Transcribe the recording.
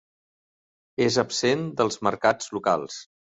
És absent dels mercats locals.